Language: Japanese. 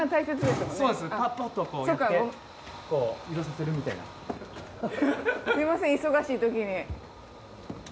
すみません忙しいときに。